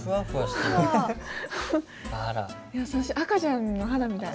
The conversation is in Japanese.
赤ちゃんの肌みたい。